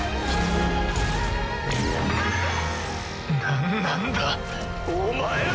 何なんだお前は！